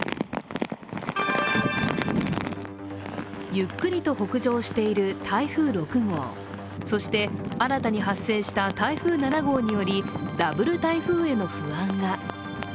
ゆっくりと北上している台風６号そして、新たに発生した台風７号によりダブル台風への不安が。